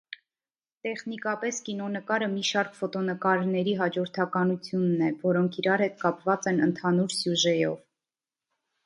Տեխնիկապես կինոնկարը մի շարք ֆոտոնկարների հաջորդականությունն է, որոնք իրար հետ կապված են ընդհանուր սյուժեով։